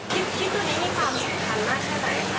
คลิปตรงนี้มีความเหงื่อทันมากใช่ไหมครับ